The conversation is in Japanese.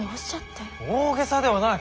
大げさではない。